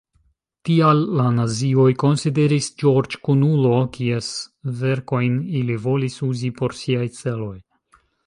Tial la nazioj konsideris George kunulo, kies verkojn ili volis uzi por siaj celoj.